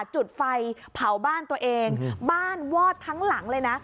จุดไฟเผาบ้านตัวเองบ้านวอดทั้งหลังเลยนะ